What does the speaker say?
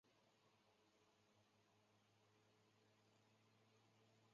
英雄时机之轮大致分为单人轮和多人轮。